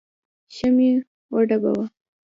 ښه مې وډباوه.